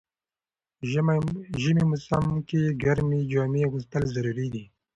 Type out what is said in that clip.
د ژمی موسم کی ګرمی جامی اغوستل ضروري ده.